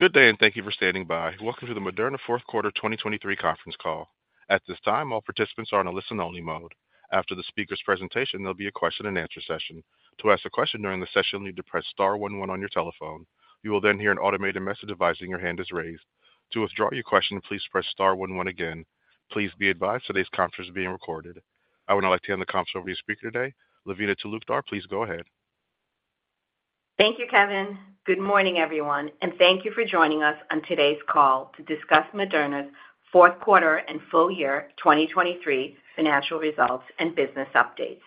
Good day and thank you for standing by. Welcome to the Moderna Fourth Quarter 2023 conference call. At this time, all participants are in a listen-only mode. After the speaker's presentation, there'll be a question-and-answer session. To ask a question during the session, you need to press star 11 on your telephone. You will then hear an automated message advising your hand is raised. To withdraw your question, please pr ess star 11 again. Please be advised today's conference is being recorded. I would now like to hand the conference over to your speaker today. Lavina Talukdar, please go ahead. Thank you, Kevin. Good morning, everyone, and thank you for joining us on today's call to discuss Moderna's fourth quarter and full year 2023 financial results and business updates.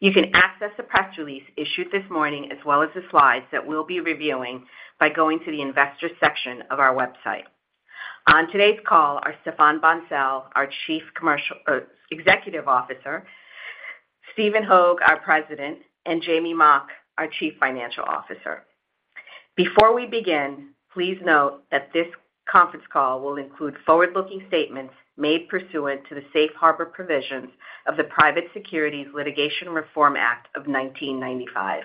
You can access the press release issued this morning as well as the slides that we'll be reviewing by going to the investor section of our website. On today's call are Stéphane Bancel, our Chief Executive Officer; Stephen Hoge, our president; and Jamey Mock, our chief financial officer. Before we begin, please note that this conference call will include forward-looking statements made pursuant to the Safe Harbor provisions of the Private Securities Litigation Reform Act of 1995.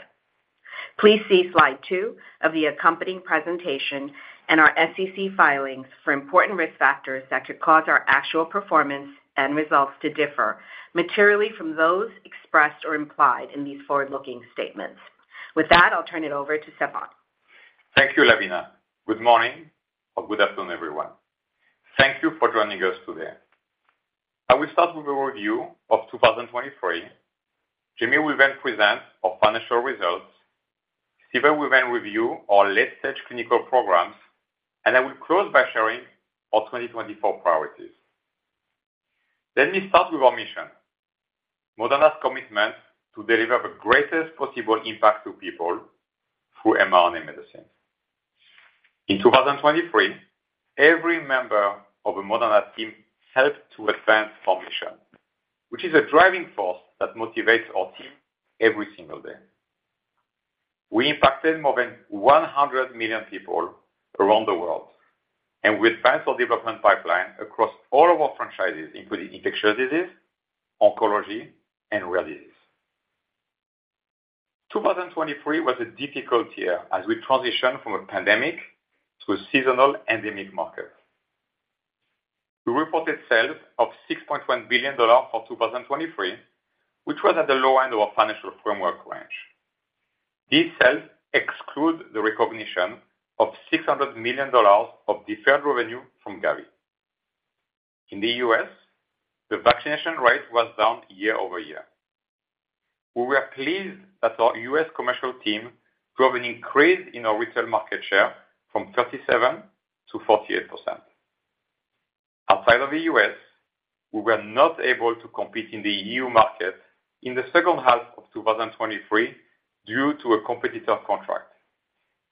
Please see slide 2 of the accompanying presentation and our SEC filings for important risk factors that could cause our actual performance and results to differ materially from those expressed or implied in these forward-looking statements. With that, I'll turn it over to Stéphane. Thank you, Lavina. Good morning or good afternoon, everyone. Thank you for joining us today. I will start with a review of 2023. Jamey will then present our financial results. Stephen will then review our late-stage clinical programs, and I will close by sharing our 2024 priorities. Let me start with our mission: Moderna's commitment to deliver the greatest possible impact to people through mRNA medicine. In 2023, every member of the Moderna team helped to advance our mission, which is a driving force that motivates our team every single day. We impacted more than 100 million people around the world, and we advanced our development pipeline across all of our franchises, including infectious disease, oncology, and rare disease. 2023 was a difficult year as we transitioned from a pandemic to a seasonal endemic market. We reported sales of $6.1 billion for 2023, which was at the low end of our financial framework range. These sales exclude the recognition of $600 million of deferred revenue from Gavi. In the U.S., the vaccination rate was down year-over-year. We were pleased that our U.S. commercial team drove an increase in our retail market share from 37% to 48%. Outside of the U.S., we were not able to compete in the EU market in the second half of 2023 due to a competitor contract,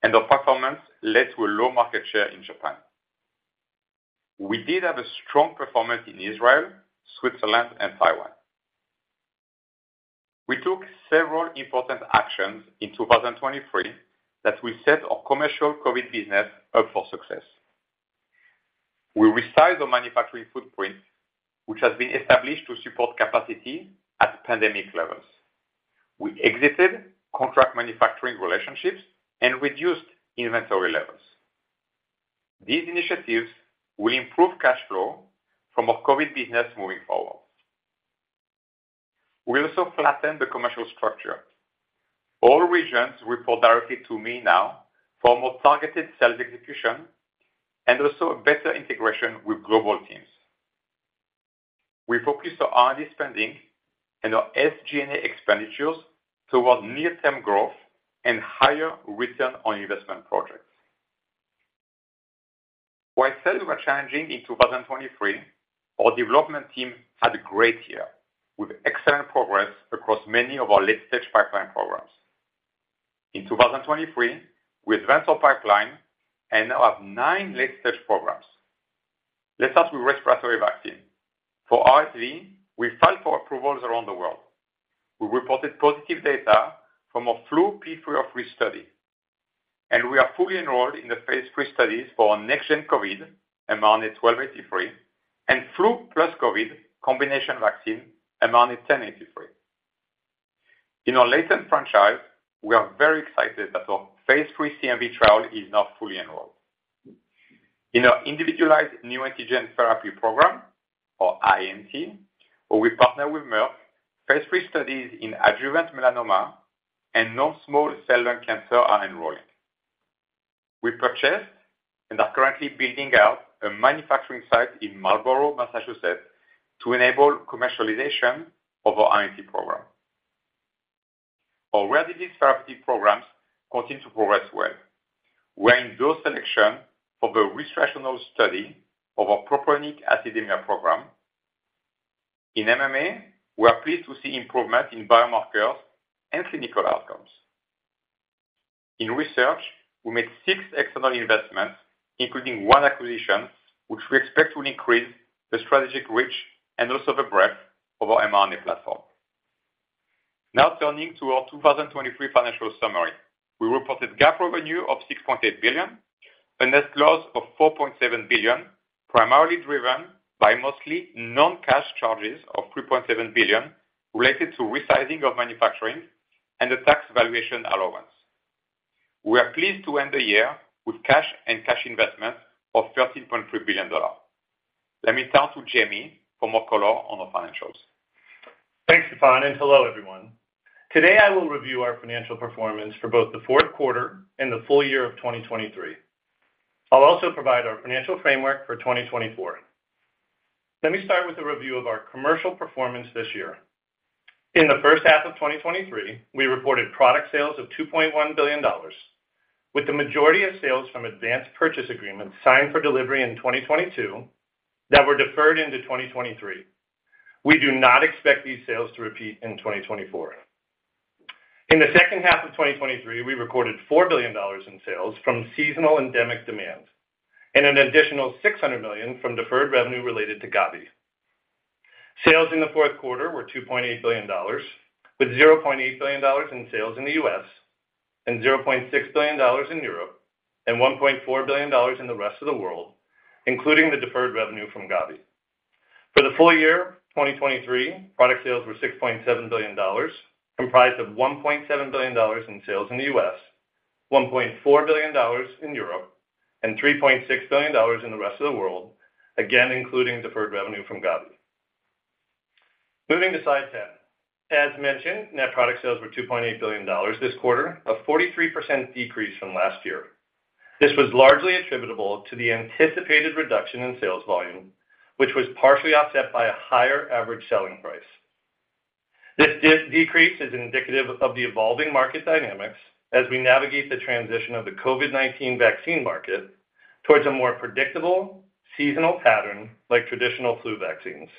and our performance led to a low market share in Japan. We did have a strong performance in Israel, Switzerland, and Taiwan. We took several important actions in 2023 that will set our commercial COVID business up for success. We resized our manufacturing footprint, which has been established to support capacity at pandemic levels. We exited contract manufacturing relationships and reduced inventory levels. These initiatives will improve cash flow from our COVID business moving forward. We also flattened the commercial structure. All regions report directly to me now for more targeted sales execution and also a better integration with global teams. We focused on R&D spending and our SG&A expenditures towards near-term growth and higher return on investment projects. While sales were challenging in 2023, our development team had a great year with excellent progress across many of our late-stage pipeline programs. In 2023, we advanced our pipeline and now have nine late-stage programs. Let's start with respiratory vaccine. For RSV, we filed for approvals around the world. We reported positive data from our flu P303 study, and we are fully enrolled in the phase 3 studies for our next-gen COVID, mRNA-1283, and flu plus COVID combination vaccine, mRNA-1083. In our latent franchise, we are very excited that our phase three CMV trial is now fully enrolled. In our individualized neoantigen therapy program, or INT, where we partner with Merck, phase three studies in adjuvant melanoma and non-small cell lung cancer are enrolling. We purchased and are currently building out a manufacturing site in Marlborough, Massachusetts, to enable commercialization of our INT program. Our rare disease therapeutic programs continue to progress well. We are in lead selection for the IND-enabling study of our propionic acidemia program. In MMA, we are pleased to see improvement in biomarkers and clinical outcomes. In research, we made six external investments, including one acquisition, which we expect will increase the strategic reach and also the breadth of our mRNA platform. Now turning to our 2023 financial summary. We reported GAAP revenue of $6.8 billion, a net loss of $4.7 billion, primarily driven by mostly non-cash charges of $3.7 billion related to resizing of manufacturing and the tax valuation allowance. We are pleased to end the year with cash and cash investments of $13.3 billion. Let me turn to Jamey for more color on our financials. Thanks, Stéphane, and hello, everyone. Today, I will review our financial performance for both the fourth quarter and the full year of 2023. I'll also provide our financial framework for 2024. Let me start with a review of our commercial performance this year. In the first half of 2023, we reported product sales of $2.1 billion, with the majority of sales from advanced purchase agreements signed for delivery in 2022 that were deferred into 2023. We do not expect these sales to repeat in 2024. In the second half of 2023, we recorded $4 billion in sales from seasonal endemic demand and an additional $600 million from deferred revenue related to Gavi. Sales in the fourth quarter were $2.8 billion, with $0.8 billion in sales in the U.S. and $0.6 billion in Europe and $1.4 billion in the rest of the world, including the deferred revenue from Gavi. For the full year 2023, product sales were $6.7 billion, comprised of $1.7 billion in sales in the U.S., $1.4 billion in Europe, and $3.6 billion in the rest of the world, again including deferred revenue from Gavi. Moving to slide 10. As mentioned, net product sales were $2.8 billion this quarter, a 43% decrease from last year. This was largely attributable to the anticipated reduction in sales volume, which was partially offset by a higher average selling price. This decrease is indicative of the evolving market dynamics as we navigate the transition of the COVID-19 vaccine market towards a more predictable seasonal pattern like traditional flu vaccines.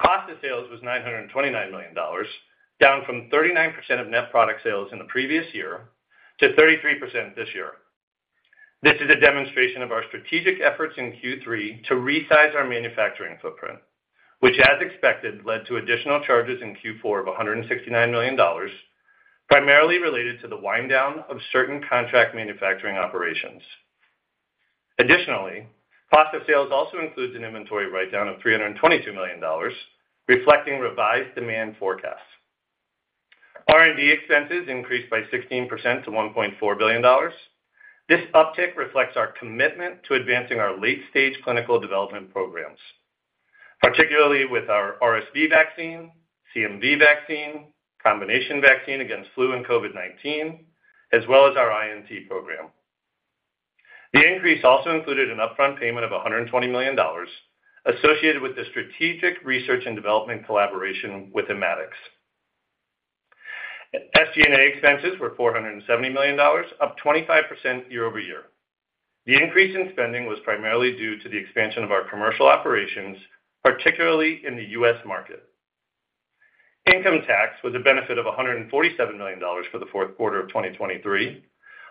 Cost of sales was $929 million, down from 39% of net product sales in the previous year to 33% this year. This is a demonstration of our strategic efforts in Q3 to resize our manufacturing footprint, which, as expected, led to additional charges in Q4 of $169 million, primarily related to the winddown of certain contract manufacturing operations. Additionally, cost of sales also includes an inventory write-down of $322 million, reflecting revised demand forecasts. R&D expenses increased by 16% to $1.4 billion. This uptick reflects our commitment to advancing our late-stage clinical development programs, particularly with our RSV vaccine, CMV vaccine, combination vaccine against flu and COVID-19, as well as our INT program. The increase also included an upfront payment of $120 million associated with the strategic research and development collaboration with Immatics. SG&A expenses were $470 million, up 25% year-over-year. The increase in spending was primarily due to the expansion of our commercial operations, particularly in the US market. Income tax was a benefit of $147 million for the fourth quarter of 2023,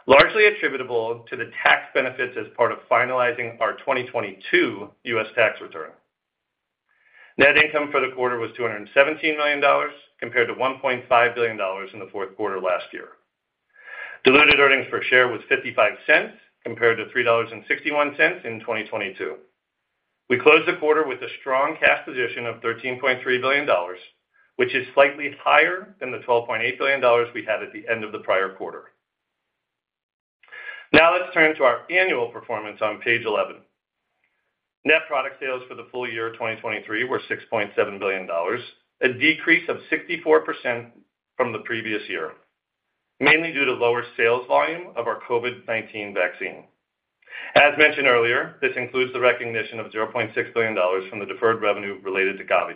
largely attributable to the tax benefits as part of finalizing our 2022 U.S. tax return. Net income for the quarter was $217 million compared to $1.5 billion in the fourth quarter last year. Diluted earnings per share was $0.55 compared to $3.61 in 2022. We closed the quarter with a strong cash position of $13.3 billion, which is slightly higher than the $12.8 billion we had at the end of the prior quarter. Now let's turn to our annual performance on page 11. Net product sales for the full year 2023 were $6.7 billion, a decrease of 64% from the previous year, mainly due to lower sales volume of our COVID-19 vaccine. As mentioned earlier, this includes the recognition of $0.6 billion from the deferred revenue related to Gavi.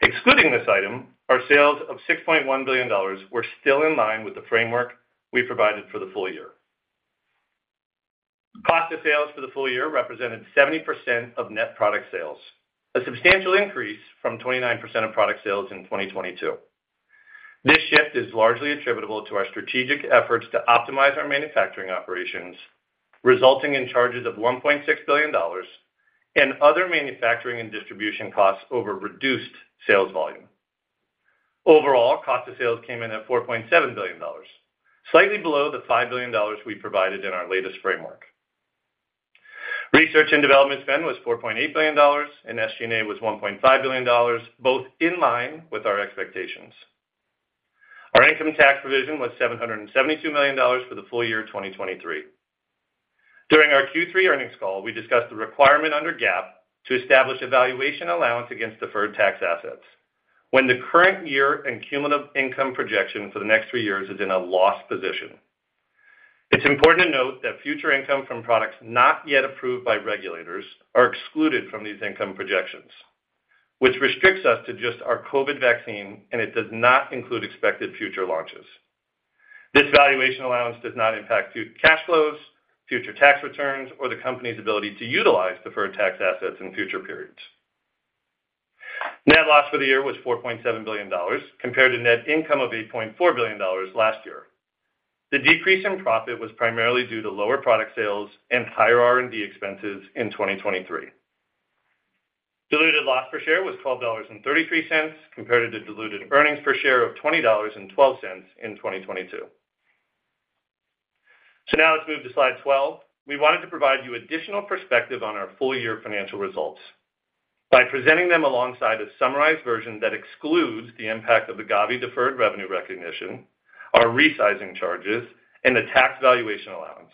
Excluding this item, our sales of $6.1 billion were still in line with the framework we provided for the full year. Cost of sales for the full year represented 70% of net product sales, a substantial increase from 29% of product sales in 2022. This shift is largely attributable to our strategic efforts to optimize our manufacturing operations, resulting in charges of $1.6 billion and other manufacturing and distribution costs over reduced sales volume. Overall, cost of sales came in at $4.7 billion, slightly below the $5 billion we provided in our latest framework. Research and development spend was $4.8 billion, and SG&A was $1.5 billion, both in line with our expectations. Our income tax provision was $772 million for the full year 2023. During our Q3 earnings call, we discussed the requirement under GAAP to establish valuation allowance against deferred tax assets when the current year and cumulative income projection for the next three years is in a loss position. It's important to note that future income from products not yet approved by regulators are excluded from these income projections, which restricts us to just our COVID vaccine, and it does not include expected future launches. This valuation allowance does not impact future cash flows, future tax returns, or the company's ability to utilize deferred tax assets in future periods. Net loss for the year was $4.7 billion compared to net income of $8.4 billion last year. The decrease in profit was primarily due to lower product sales and higher R&D expenses in 2023. Diluted loss per share was $12.33 compared to the diluted earnings per share of $20.12 in 2022. Now let's move to slide 12. We wanted to provide you additional perspective on our full year financial results by presenting them alongside a summarized version that excludes the impact of the Gavi deferred revenue recognition, our resizing charges, and the tax valuation allowance.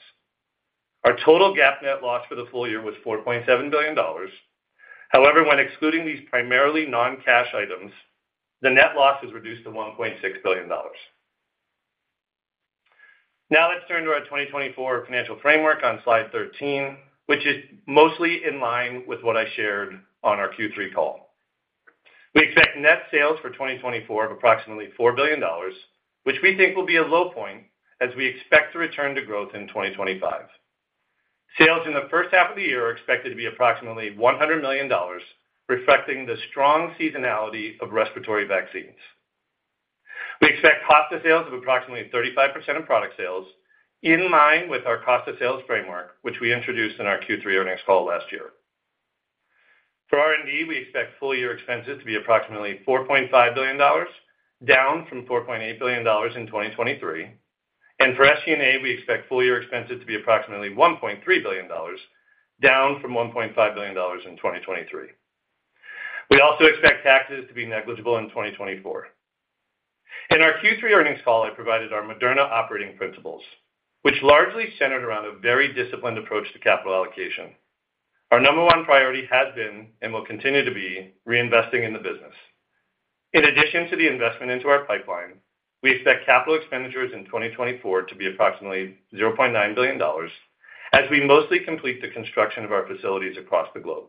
Our total GAAP net loss for the full year was $4.7 billion. However, when excluding these primarily non-cash items, the net loss is reduced to $1.6 billion. Now let's turn to our 2024 financial framework on slide 13, which is mostly in line with what I shared on our Q3 call. We expect net sales for 2024 of approximately $4 billion, which we think will be a low point as we expect to return to growth in 2025. Sales in the first half of the year are expected to be approximately $100 million, reflecting the strong seasonality of respiratory vaccines. We expect cost of sales of approximately 35% of product sales in line with our cost of sales framework, which we introduced in our Q3 earnings call last year. For R&D, we expect full year expenses to be approximately $4.5 billion, down from $4.8 billion in 2023. For SG&A, we expect full year expenses to be approximately $1.3 billion, down from $1.5 billion in 2023. We also expect taxes to be negligible in 2024. In our Q3 earnings call, I provided our Moderna operating principles, which largely centered around a very disciplined approach to capital allocation. Our number one priority has been and will continue to be reinvesting in the business. In addition to the investment into our pipeline, we expect capital expenditures in 2024 to be approximately $0.9 billion as we mostly complete the construction of our facilities across the globe.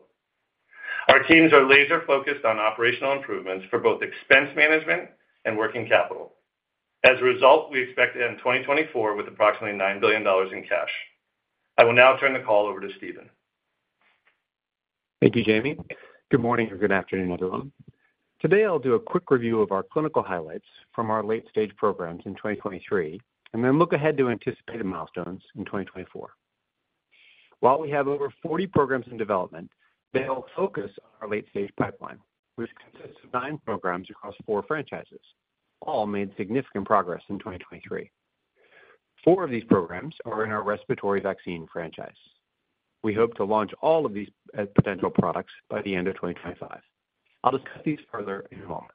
Our teams are laser-focused on operational improvements for both expense management and working capital. As a result, we expect to end 2024 with approximately $9 billion in cash. I will now turn the call over to Stephen. Thank you, Jamey. Good morning or good afternoon, everyone. Today, I'll do a quick review of our clinical highlights from our late-stage programs in 2023 and then look ahead to anticipated milestones in 2024. While we have over 40 programs in development, they all focus on our late-stage pipeline, which consists of nine programs across four franchises, all made significant progress in 2023. Four of these programs are in our respiratory vaccine franchise. We hope to launch all of these potential products by the end of 2025. I'll discuss these further in a moment.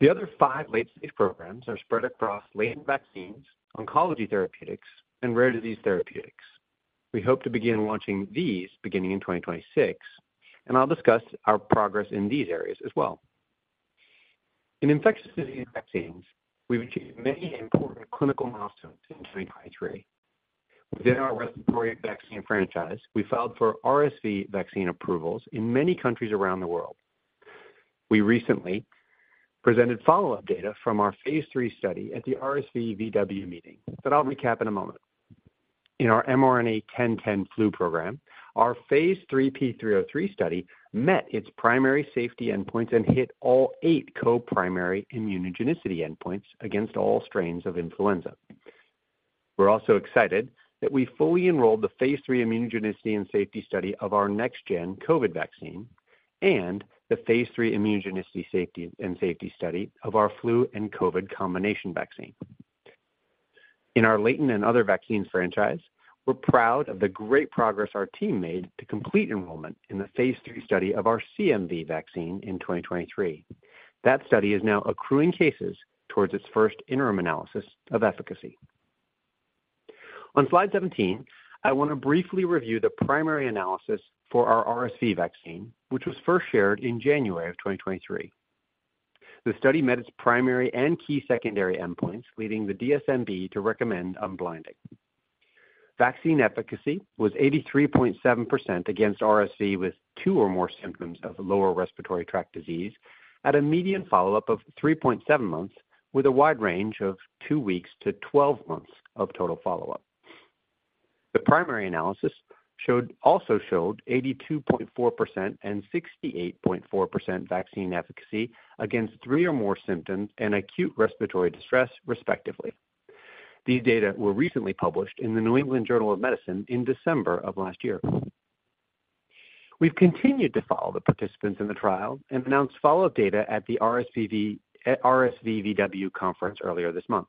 The other five late-stage programs are spread across latent vaccines, oncology therapeutics, and rare disease therapeutics. We hope to begin launching these beginning in 2026, and I'll discuss our progress in these areas as well. In infectious disease vaccines, we've achieved many important clinical milestones in 2023. Within our respiratory vaccine franchise, we filed for RSV vaccine approvals in many countries around the world. We recently presented follow-up data from our phase 3 study at the RSVVW meeting that I'll recap in a moment. In our mRNA-1010 flu program, our phase 3 P303 study met its primary safety endpoints and hit all eight co-primary immunogenicity endpoints against all strains of influenza. We're also excited that we fully enrolled the phase 3 immunogenicity and safety study of our next-gen COVID vaccine and the phase 3 immunogenicity and safety study of our flu and COVID combination vaccine. In our latent and other vaccines franchise, we're proud of the great progress our team made to complete enrollment in the phase 3 study of our CMV vaccine in 2023. That study is now accruing cases towards its first interim analysis of efficacy. On slide 17, I want to briefly review the primary analysis for our RSV vaccine, which was first shared in January of 2023. The study met its primary and key secondary endpoints, leading the DSMB to recommend unblinding. Vaccine efficacy was 83.7% against RSV with two or more symptoms of lower respiratory tract disease at a median follow-up of 3.7 months, with a wide range of two weeks to 12 months of total follow-up. The primary analysis also showed 82.4% and 68.4% vaccine efficacy against three or more symptoms and acute respiratory distress, respectively. These data were recently published in the New England Journal of Medicine in December of last year. We've continued to follow the participants in the trial and announced follow-up data at the RSVVW conference earlier this month.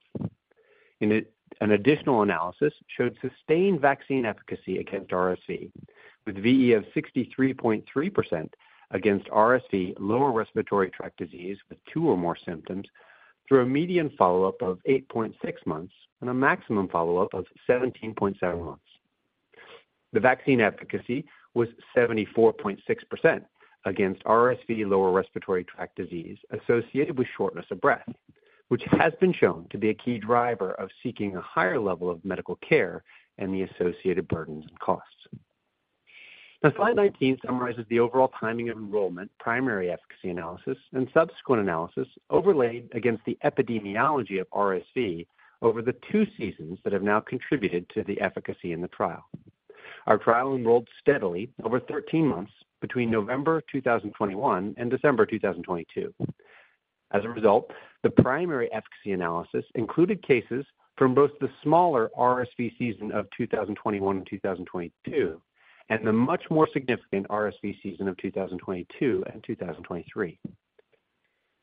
An additional analysis showed sustained vaccine efficacy against RSV, with VE of 63.3% against RSV lower respiratory tract disease with two or more symptoms, through a median follow-up of 8.6 months and a maximum follow-up of 17.7 months. The vaccine efficacy was 74.6% against RSV lower respiratory tract disease associated with shortness of breath, which has been shown to be a key driver of seeking a higher level of medical care and the associated burdens and costs. Now, slide 19 summarizes the overall timing of enrollment, primary efficacy analysis, and subsequent analysis overlaid against the epidemiology of RSV over the two seasons that have now contributed to the efficacy in the trial. Our trial enrolled steadily over 13 months between November 2021 and December 2022. As a result, the primary efficacy analysis included cases from both the smaller RSV season of 2021 and 2022 and the much more significant RSV season of 2022 and 2023.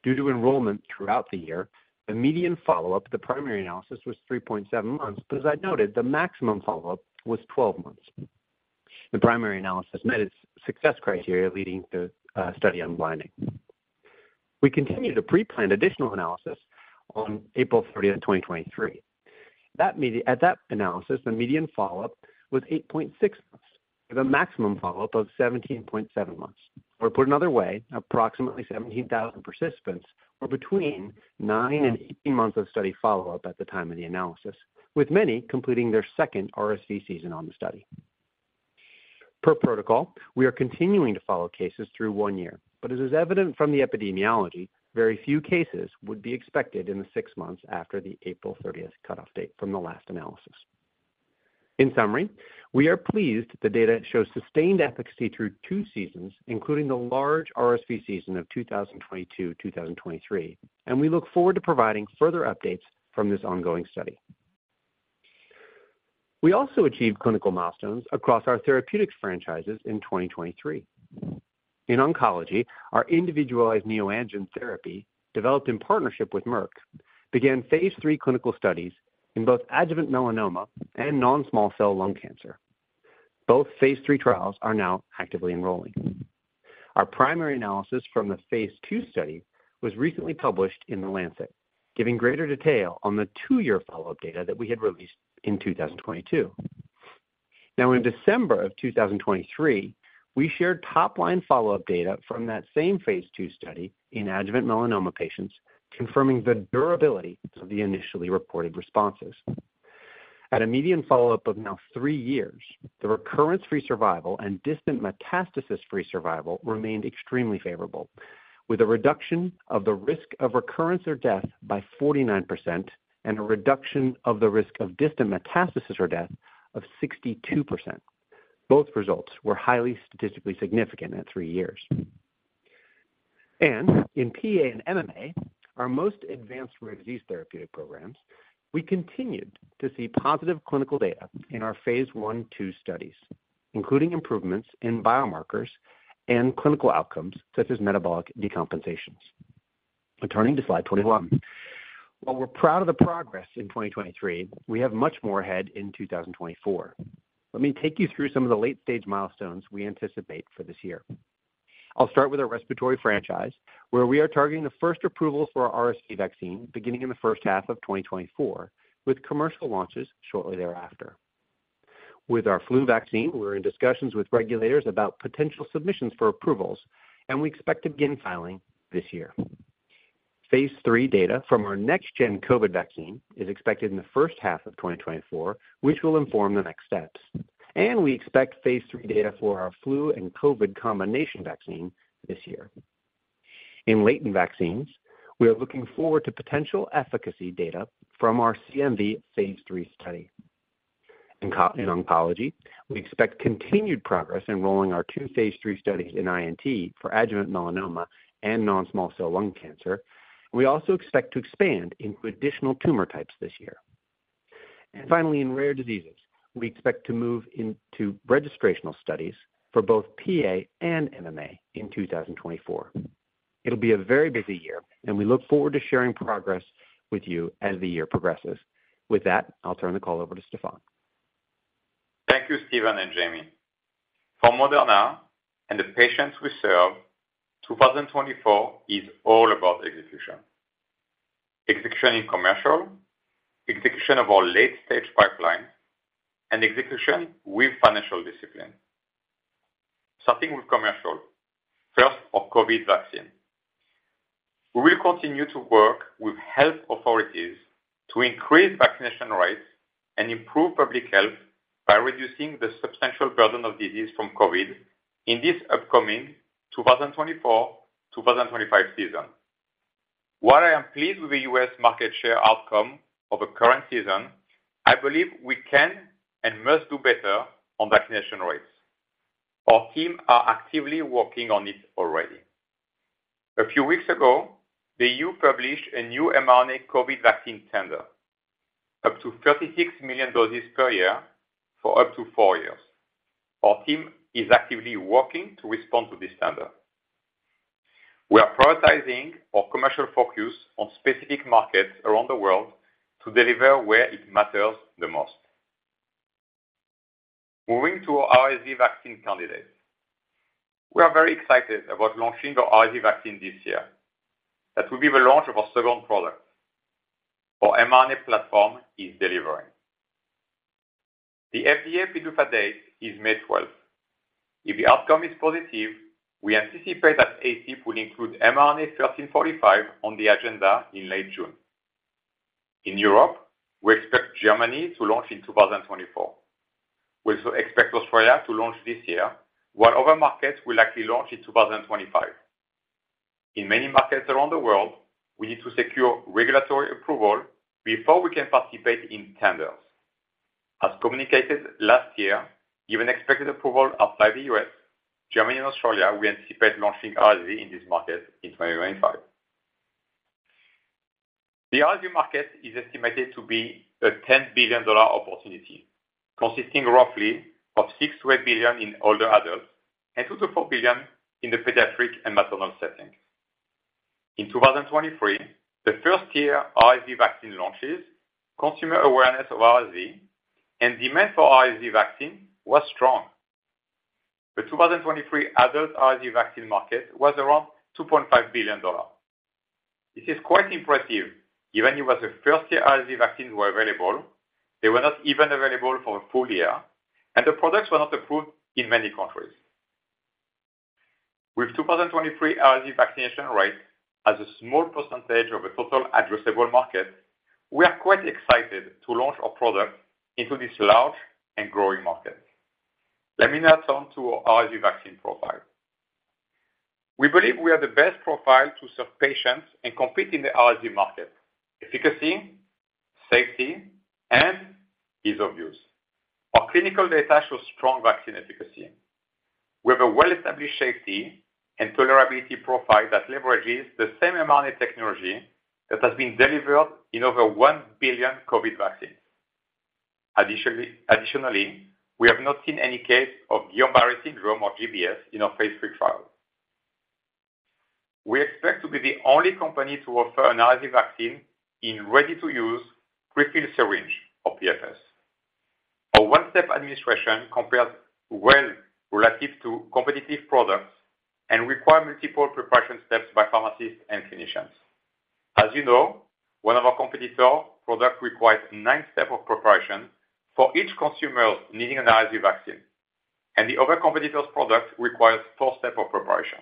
Due to enrollment throughout the year, the median follow-up of the primary analysis was 3.7 months, but as I noted, the maximum follow-up was 12 months. The primary analysis met its success criteria, leading to the study unblinding. We continued to perform planned additional analysis on April 30, 2023. At that analysis, the median follow-up was 8.6 months, with a maximum follow-up of 17.7 months. Or put another way, approximately 17,000 participants were between nine and 18 months of study follow-up at the time of the analysis, with many completing their second RSV season on the study. Per protocol, we are continuing to follow cases through 1 year, but as is evident from the epidemiology, very few cases would be expected in the 6 months after the April 30 cutoff date from the last analysis. In summary, we are pleased that the data shows sustained efficacy through 2 seasons, including the large RSV season of 2022-2023, and we look forward to providing further updates from this ongoing study. We also achieved clinical milestones across our therapeutics franchises in 2023. In oncology, our Individualized Neoantigen Therapy, developed in partnership with Merck, began phase 3 clinical studies in both adjuvant melanoma and non-small cell lung cancer. Both phase 3 trials are now actively enrolling. Our primary analysis from the phase 2 study was recently published in The Lancet, giving greater detail on the 2-year follow-up data that we had released in 2022. Now, in December of 2023, we shared top-line follow-up data from that same phase 2 study in adjuvant melanoma patients, confirming the durability of the initially reported responses. At a median follow-up of now 3 years, the recurrence-free survival and distant metastasis-free survival remained extremely favorable, with a reduction of the risk of recurrence or death by 49% and a reduction of the risk of distant metastasis or death of 62%. Both results were highly statistically significant at 3 years. In PA and MMA, our most advanced rare disease therapeutic programs, we continued to see positive clinical data in our phase 1/2 studies, including improvements in biomarkers and clinical outcomes such as metabolic decompensations. Returning to slide 21. While we're proud of the progress in 2023, we have much more ahead in 2024. Let me take you through some of the late-stage milestones we anticipate for this year. I'll start with our respiratory franchise, where we are targeting the first approvals for our RSV vaccine beginning in the first half of 2024, with commercial launches shortly thereafter. With our flu vaccine, we're in discussions with regulators about potential submissions for approvals, and we expect to begin filing this year. Phase 3 data from our next-gen COVID vaccine is expected in the first half of 2024, which will inform the next steps. We expect phase 3 data for our flu and COVID combination vaccine this year. In latent vaccines, we are looking forward to potential efficacy data from our CMV phase 3 study. In oncology, we expect continued progress enrolling our two phase 3 studies in INT for adjuvant melanoma and non-small cell lung cancer. We also expect to expand into additional tumor types this year. And finally, in rare diseases, we expect to move into registrational studies for both PA and MMA in 2024. It'll be a very busy year, and we look forward to sharing progress with you as the year progresses. With that, I'll turn the call over to Stéphane. Thank you, Stephen and Jamey. For Moderna and the patients we serve, 2024 is all about execution: execution in commercial, execution of our late-stage pipeline, and execution with financial discipline. Starting with commercial, first our COVID vaccine. We will continue to work with health authorities to increase vaccination rates and improve public health by reducing the substantial burden of disease from COVID in this upcoming 2024-2025 season. While I am pleased with the U.S. market share outcome of the current season, I believe we can and must do better on vaccination rates. Our team are actively working on it already. A few weeks ago, the E.U. published a new mRNA COVID vaccine tender, up to 36 million doses per year for up to four years. Our team is actively working to respond to this tender. We are prioritizing our commercial focus on specific markets around the world to deliver where it matters the most. Moving to our RSV vaccine candidates. We are very excited about launching our RSV vaccine this year. That will be the launch of our second product. Our mRNA platform is delivering. The FDA PDUFA date is May 12th. If the outcome is positive, we anticipate that ACIP will include mRNA-1345 on the agenda in late June. In Europe, we expect Germany to launch in 2024. We also expect Australia to launch this year, while other markets will likely launch in 2025. In many markets around the world, we need to secure regulatory approval before we can participate in tenders. As communicated last year, given expected approval outside the U.S., Germany and Australia, we anticipate launching RSV in these markets in 2025. The RSV market is estimated to be a $10 billion opportunity, consisting roughly of $6-$8 billion in older adults and $2-$4 billion in the pediatric and maternal settings. In 2023, the first-year RSV vaccine launches, consumer awareness of RSV, and demand for RSV vaccine was strong. The 2023 adult RSV vaccine market was around $2.5 billion. This is quite impressive. Even if it was the first-year RSV vaccines were available, they were not even available for a full year, and the products were not approved in many countries. With 2023 RSV vaccination rate as a small percentage of the total addressable market, we are quite excited to launch our product into this large and growing market. Let me now turn to our RSV vaccine profile. We believe we are the best profile to serve patients and compete in the RSV market: efficacy, safety, and ease of use. Our clinical data shows strong vaccine efficacy. We have a well-established safety and tolerability profile that leverages the same mRNA technology that has been delivered in over 1 billion COVID vaccines. Additionally, we have not seen any case of Guillain-Barré syndrome or GBS in our phase 3 trial. We expect to be the only company to offer an RSV vaccine in ready-to-use prefill syringe or PFS. Our one-step administration compares well relative to competitive products and requires multiple preparation steps by pharmacists and clinicians. As you know, one of our competitors' products requires nine steps of preparation for each consumer needing an RSV vaccine, and the other competitor's product requires four steps of preparation.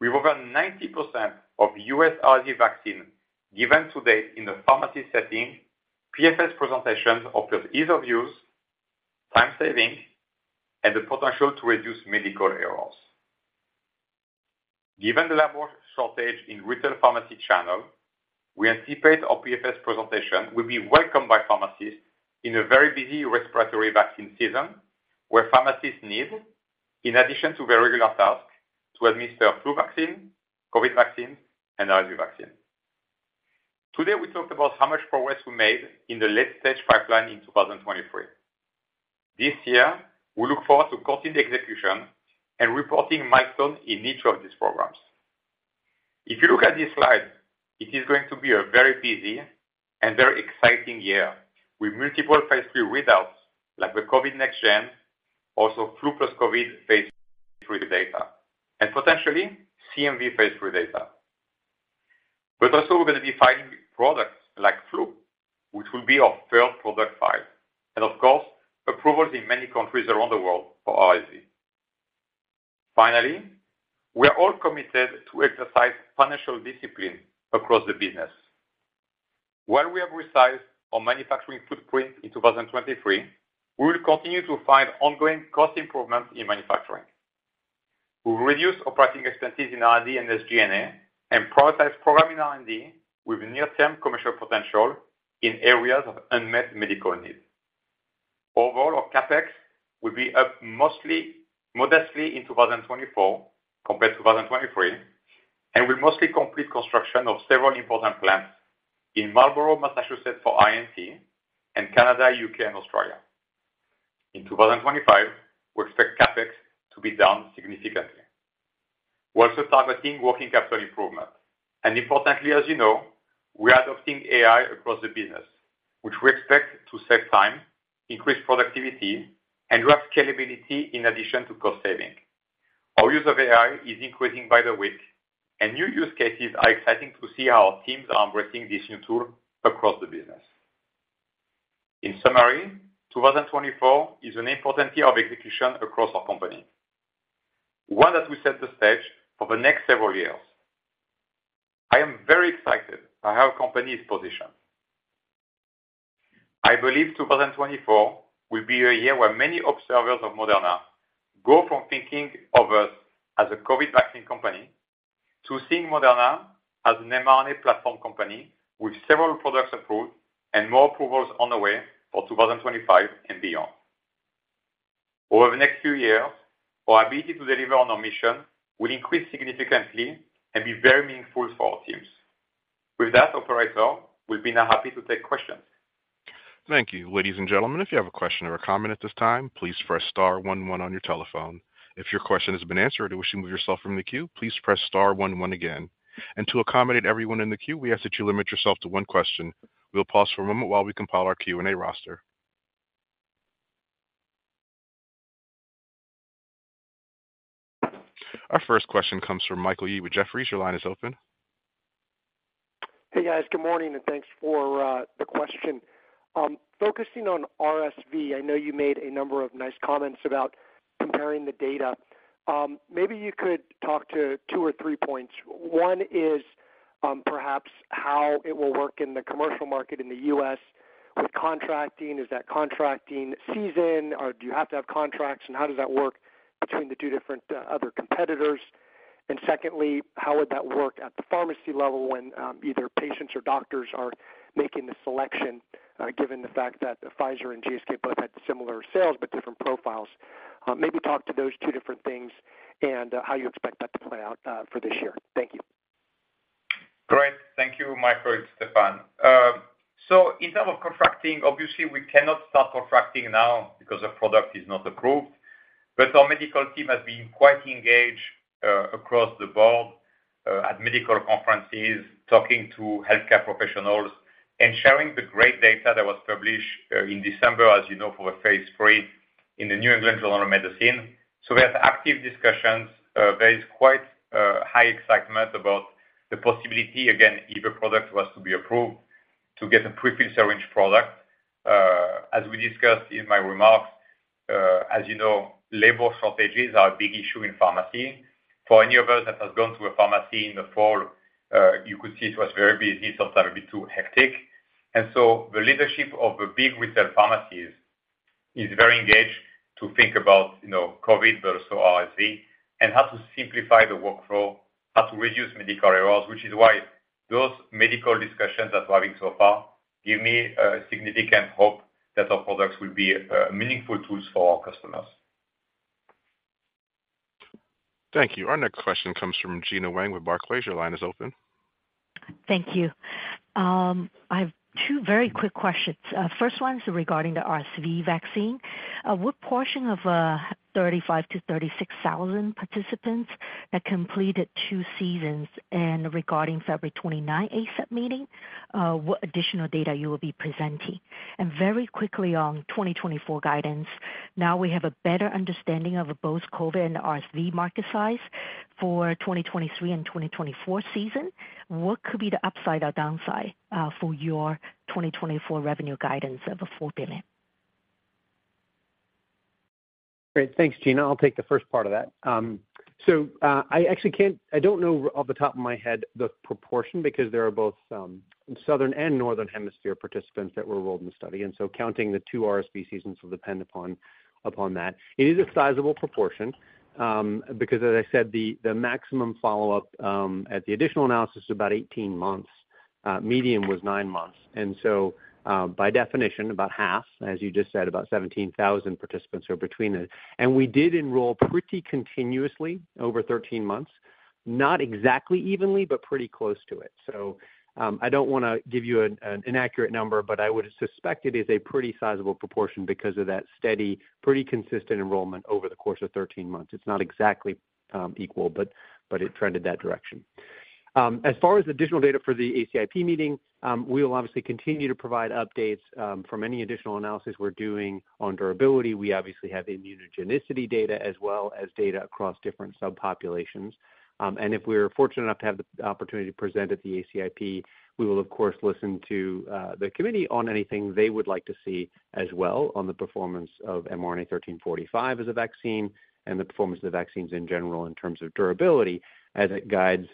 With over 90% of U.S. RSV vaccine given to date in the pharmacy setting, PFS presentations offer ease of use, time saving, and the potential to reduce medical errors. Given the labor shortage in retail pharmacy channels, we anticipate our PFS presentation will be welcomed by pharmacists in a very busy respiratory vaccine season where pharmacists need, in addition to their regular tasks, to administer flu vaccine, COVID vaccines, and RSV vaccine. Today, we talked about how much progress we made in the late-stage pipeline in 2023. This year, we look forward to cutting the execution and reporting milestones in each of these programs. If you look at this slide, it is going to be a very busy and very exciting year with multiple phase 3 readouts like the COVID NextGen, also flu plus COVID phase 3 data, and potentially CMV phase 3 data. But also, we're going to be filing products like flu, which will be our third product file, and of course, approvals in many countries around the world for RSV. Finally, we are all committed to exercise financial discipline across the business. While we have resized our manufacturing footprint in 2023, we will continue to find ongoing cost improvements in manufacturing. We've reduced operating expenses in R&D and SG&A and prioritized program in R&D with near-term commercial potential in areas of unmet medical needs. Overall, our CapEx will be up modestly in 2024 compared to 2023 and will mostly complete construction of several important plants in Marlborough, Massachusetts, for INT, and Canada, U.K., and Australia. In 2025, we expect CapEx to be down significantly. We're also targeting working capital improvement. Importantly, as you know, we are adopting AI across the business, which we expect to save time, increase productivity, and drive scalability in addition to cost saving. Our use of AI is increasing by the week, and new use cases are exciting to see how our teams are embracing this new tool across the business. In summary, 2024 is an important year of execution across our company, one that will set the stage for the next several years. I am very excited by how our company is positioned. I believe 2024 will be a year where many observers of Moderna go from thinking of us as a COVID vaccine company to seeing Moderna as an mRNA platform company with several products approved and more approvals on the way for 2025 and beyond. Over the next few years, our ability to deliver on our mission will increase significantly and be very meaningful for our teams. With that, Operator, we'll be now happy to take questions. Thank you. Ladies and gentlemen, if you have a question or a comment at this time, please press star 11 on your telephone. If your question has been answered or wish to move yourself from the queue, please press star 11 again. To accommodate everyone in the queue, we ask that you limit yourself to one question. We'll pause for a moment while we compile our Q&A roster. Our first question comes from Michael Yee with Jefferies. Your line is open. Hey, guys. Good morning. Thanks for the question. Focusing on RSV, I know you made a number of nice comments about comparing the data. Maybe you could talk to two or three points. One is perhaps how it will work in the commercial market in the U.S. with contracting. Is that contracting season, or do you have to have contracts, and how does that work between the two different other competitors? Secondly, how would that work at the pharmacy level when either patients or doctors are making the selection, given the fact that Pfizer and GSK both had similar sales but different profiles? Maybe talk to those two different things and how you expect that to play out for this year. Thank you. Great. Thank you, Michael and Stéphane. So in terms of contracting, obviously, we cannot start contracting now because our product is not approved. But our medical team has been quite engaged across the board at medical conferences, talking to healthcare professionals, and sharing the great data that was published in December, as you know, for phase 3 in the New England Journal of Medicine. So we have active discussions. There is quite high excitement about the possibility, again, if a product was to be approved, to get a prefilled syringe product. As we discussed in my remarks, as you know, labor shortages are a big issue in pharmacy. For any of us that has gone to a pharmacy in the fall, you could see it was very busy, sometimes a bit too hectic. The leadership of the big retail pharmacies is very engaged to think about COVID, but also RSV, and how to simplify the workflow, how to reduce medical errors, which is why those medical discussions that we're having so far give me significant hope that our products will be meaningful tools for our customers. Thank you. Our next question comes from Gena Wang with Barclays. Your line is open. Thank you. I have two very quick questions. First one is regarding the RSV vaccine. What portion of 35,000-36,000 participants that completed two seasons and regarding February 29th ACIP meeting, what additional data you will be presenting? And very quickly on 2024 guidance, now we have a better understanding of both COVID and RSV market size for 2023 and 2024 season. What could be the upside or downside for your 2024 revenue guidance of $1 billion? Great. Thanks, Gina. I'll take the first part of that. So I actually can't. I don't know off the top of my head the proportion because there are both southern and northern hemisphere participants that were enrolled in the study. And so counting the two RSV seasons will depend upon that. It is a sizable proportion because, as I said, the maximum follow-up at the additional analysis is about 18 months. Median was 9 months. And so by definition, about half, as you just said, about 17,000 participants are between it. And we did enroll pretty continuously over 13 months, not exactly evenly, but pretty close to it. So I don't want to give you an inaccurate number, but I would suspect it is a pretty sizable proportion because of that steady, pretty consistent enrollment over the course of 13 months. It's not exactly equal, but it trended that direction. As far as additional data for the ACIP meeting, we will obviously continue to provide updates from any additional analysis we're doing on durability. We obviously have immunogenicity data as well as data across different subpopulations. If we're fortunate enough to have the opportunity to present at the ACIP, we will, of course, listen to the committee on anything they would like to see as well on the performance of mRNA-1345 as a vaccine and the performance of the vaccines in general in terms of durability as it guides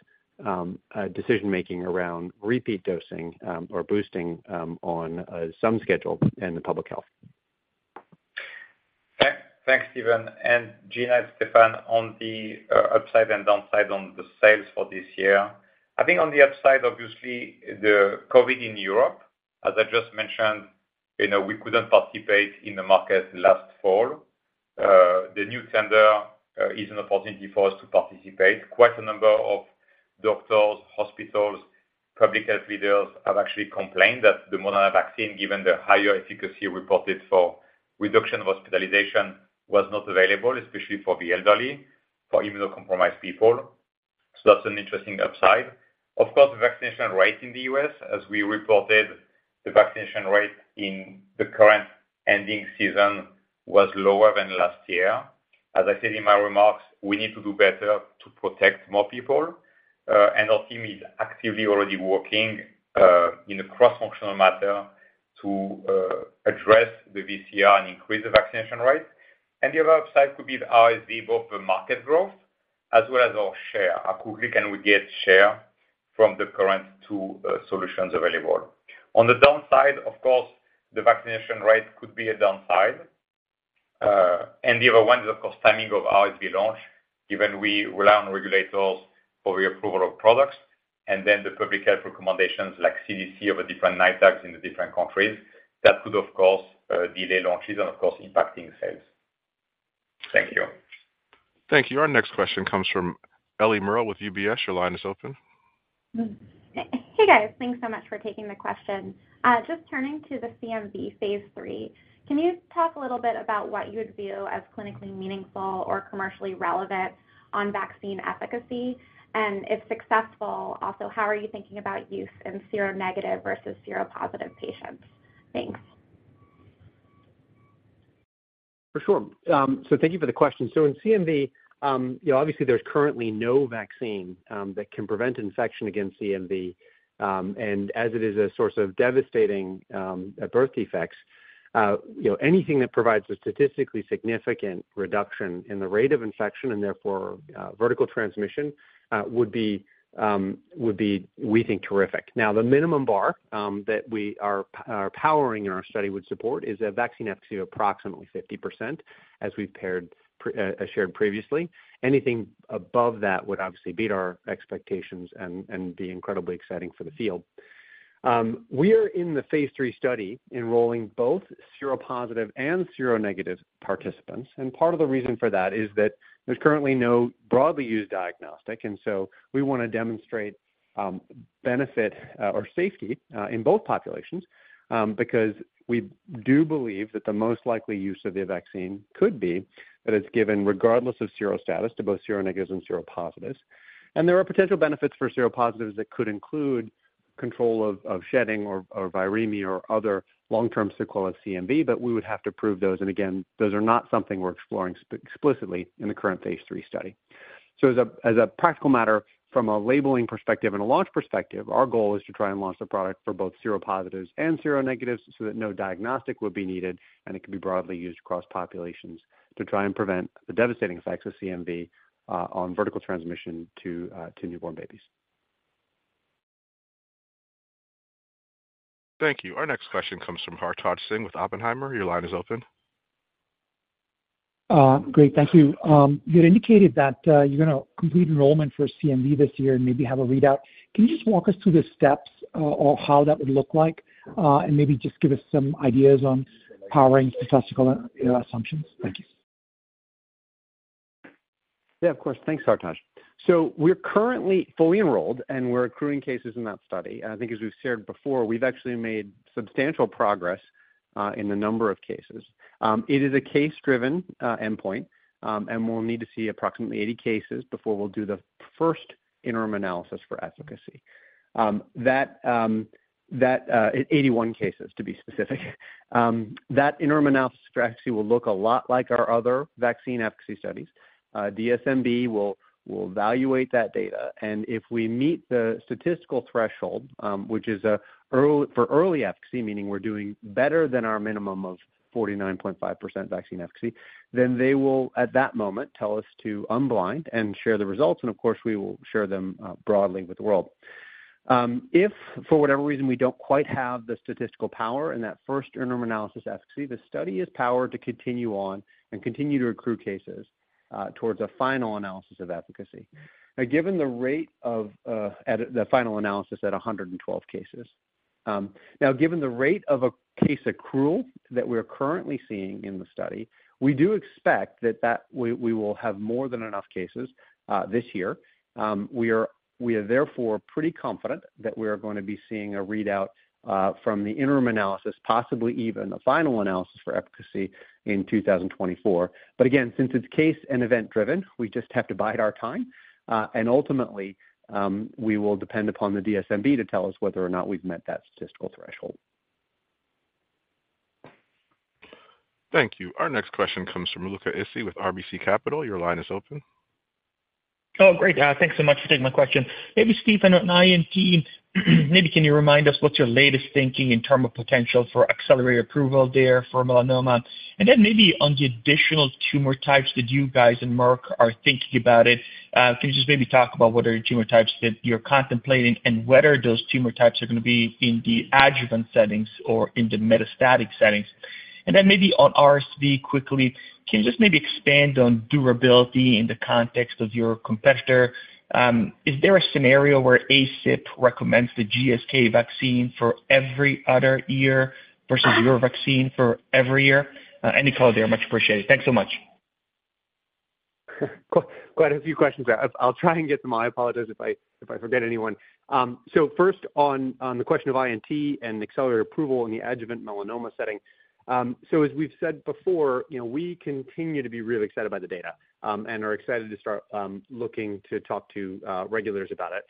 decision-making around repeat dosing or boosting on some schedule in the public health. Thanks, Stephen. And Gina, Stéphane, on the upside and downside on the sales for this year, I think on the upside, obviously, the COVID in Europe, as I just mentioned, we couldn't participate in the market last fall. The new tender is an opportunity for us to participate. Quite a number of doctors, hospitals, public health leaders have actually complained that the Moderna vaccine, given the higher efficacy reported for reduction of hospitalization, was not available, especially for the elderly, for immunocompromised people. So that's an interesting upside. Of course, the vaccination rate in the U.S., as we reported, the vaccination rate in the current ending season was lower than last year. As I said in my remarks, we need to do better to protect more people. And our team is actively already working in a cross-functional matter to address the VCR and increase the vaccination rate. The other upside could be the RSV, both the market growth as well as our share. How quickly can we get share from the current two solutions available? On the downside, of course, the vaccination rate could be a downside. And the other one is, of course, timing of RSV launch, given we rely on regulators for the approval of products. And then the public health recommendations like CDC of different NITAGs in the different countries, that could, of course, delay launches and, of course, impacting sales. Thank you. Thank you. Our next question comes from Ellie Merle with UBS. Your line is open. Hey, guys. Thanks so much for taking the question. Just turning to the CMV phase three, can you talk a little bit about what you would view as clinically meaningful or commercially relevant on vaccine efficacy? And if successful, also, how are you thinking about use in seronegative versus seropositive patients? Thanks. For sure. So thank you for the question. So in CMV, obviously, there's currently no vaccine that can prevent infection against CMV. And as it is a source of devastating birth defects, anything that provides a statistically significant reduction in the rate of infection and therefore vertical transmission would be, we think, terrific. Now, the minimum bar that we are powering in our study would support is a vaccine efficacy of approximately 50%, as we've shared previously. Anything above that would obviously beat our expectations and be incredibly exciting for the field. We are in the phase three study enrolling both seropositive and seronegative participants. And part of the reason for that is that there's currently no broadly used diagnostic. So we want to demonstrate benefit or safety in both populations because we do believe that the most likely use of the vaccine could be that it's given regardless of sero status to both seronegatives and seropositives. There are potential benefits for seropositives that could include control of shedding or viremia or other long-term sequelae of CMV, but we would have to prove those. Again, those are not something we're exploring explicitly in the current phase 3 study. As a practical matter, from a labeling perspective and a launch perspective, our goal is to try and launch the product for both seropositives and seronegatives so that no diagnostic would be needed, and it could be broadly used across populations to try and prevent the devastating effects of CMV on vertical transmission to newborn babies. Thank you. Our next question comes from Hartaaj Singh with Oppenheimer. Your line is open. Great. Thank you. You had indicated that you're going to complete enrollment for CMV this year and maybe have a readout. Can you just walk us through the steps or how that would look like and maybe just give us some ideas on powering statistical assumptions? Thank you. Yeah, of course. Thanks, Hartaaj. So we're currently fully enrolled, and we're accruing cases in that study. And I think, as we've shared before, we've actually made substantial progress in the number of cases. It is a case-driven endpoint, and we'll need to see approximately 80 cases before we'll do the first interim analysis for efficacy. 81 cases, to be specific. That interim analysis for efficacy will look a lot like our other vaccine efficacy studies. DSMB will evaluate that data. And if we meet the statistical threshold, which is for early efficacy, meaning we're doing better than our minimum of 49.5% vaccine efficacy, then they will, at that moment, tell us to unblind and share the results. And of course, we will share them broadly with the world. If, for whatever reason, we don't quite have the statistical power in that first interim analysis efficacy, the study is powered to continue on and continue to accrue cases towards a final analysis of efficacy, given the rate of the final analysis at 112 cases. Now, given the rate of a case accrual that we are currently seeing in the study, we do expect that we will have more than enough cases this year. We are therefore pretty confident that we are going to be seeing a readout from the interim analysis, possibly even the final analysis for efficacy in 2024. But again, since it's case and event-driven, we just have to bide our time. And ultimately, we will depend upon the DSMB to tell us whether or not we've met that statistical threshold. Thank you. Our next question comes from Luca Issi with RBC Capital. Your line is open. Oh, great. Thanks so much for taking my question. Maybe Stephen and I and Dean, maybe can you remind us what's your latest thinking in terms of potential for accelerated approval there for melanoma? And then maybe on the additional tumor types that you guys and Merck are thinking about it, can you just maybe talk about what are the tumor types that you're contemplating and whether those tumor types are going to be in the adjuvant settings or in the metastatic settings? And then maybe on RSV, quickly, can you just maybe expand on durability in the context of your competitor? Is there a scenario where ACIP recommends the GSK vaccine for every other year versus your vaccine for every year? Any call there, much appreciated. Thanks so much. Quite a few questions. I'll try and get them. I apologize if I forget anyone. So first, on the question of INT and accelerated approval in the adjuvant melanoma setting. So as we've said before, we continue to be really excited by the data and are excited to start looking to talk to regulators about it.